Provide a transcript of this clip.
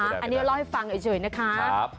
อันนี้เล่าให้ฟังเฉยนะคะ